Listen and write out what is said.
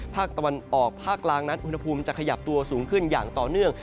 ภาคตะวันออกภาคกลางนั้นอุณหภูมิจะขยับตัวสูงขึ้นอย่างต่อเนื่อง